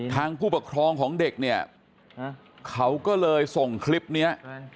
ผู้ปกครองของเด็กเนี่ยเขาก็เลยส่งคลิปนี้